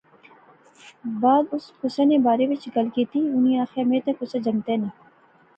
بعد اس کیسے نے بارے وچ گل کیتی۔ انیں آخیا میں تے کسے جنگتے نے